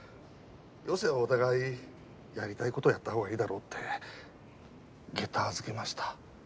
余生お互いやりたいことやった方がいいだろうってげた預けました。